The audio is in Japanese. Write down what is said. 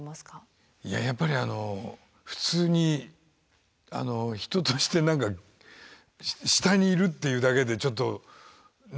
いややっぱりあの普通に人として下にいるというだけでちょっとね